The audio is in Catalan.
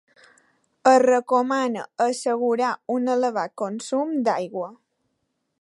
Es recomana assegurar un elevat consum d'aigua.